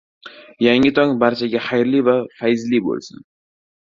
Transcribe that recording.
Yangi tong barchaga xayrli va fayzli bo‘lsin